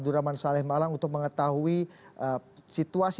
terima kasih banyak bapak malu adelman